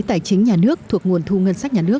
tài chính nhà nước thuộc nguồn thu ngân sách nhà nước